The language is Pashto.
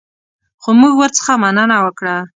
خو موږ ورڅخه مننه وکړه.